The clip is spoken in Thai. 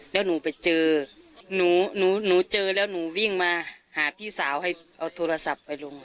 แล้วหนูไปเจอหนูหนูเจอแล้วหนูวิ่งมาหาพี่สาวให้เอาโทรศัพท์ไปลง